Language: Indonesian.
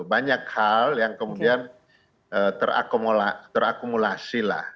banyak hal yang kemudian terakumulasi lah